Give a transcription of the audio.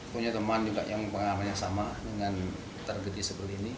punya teman juga yang pengalaman yang sama dengan tragedi seperti ini